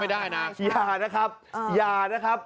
ได้นะอย่านะครับอย่านะครับ